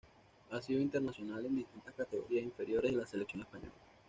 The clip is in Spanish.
Ha sido internacional en distintas categorías inferiores de la selección española.